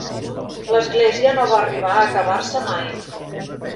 L'església no va arribar a acabar-se mai.